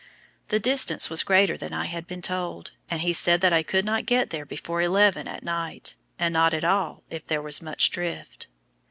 The distance was greater than I had been told, and he said that I could not get there before eleven at night, and not at all if there was much drift.